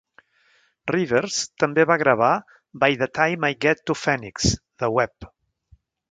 Rivers també va gravar "By the time I get to Phoenix" de Webb.